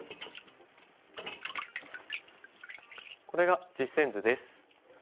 これが実戦図です。